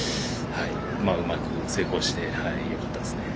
うまく成功してよかったです。